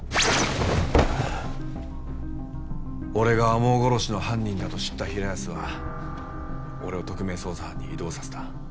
俺が天羽殺しの犯人だと知った平安は俺を特命捜査班に異動させた。